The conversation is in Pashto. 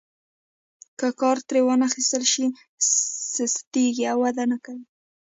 که کار ترې وانخیستل شي سستیږي او وده نه کوي.